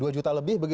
dua juta lebih